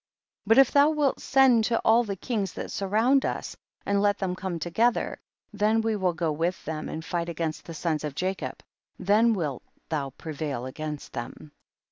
But if thou tvilt send to all the kings that surround us, and let them come together, tiien we will go with them and fight against the sons of Jacob ; then wilt liiou prevail against them.